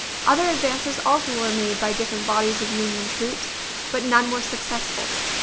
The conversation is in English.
Other advances also were made by different bodies of Union troops, but none were successful.